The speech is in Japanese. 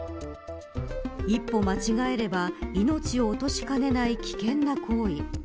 一歩間違えれば命を落としかねない危険な行為。